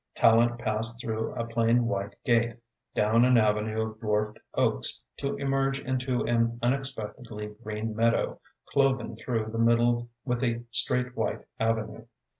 Tallente passed through a plain white gate, down an avenue of dwarfed oaks, to emerge into an unexpectedly green meadow, cloven through the middle with a straight white avenue.